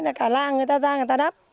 là cả làng người ta ra người ta đắp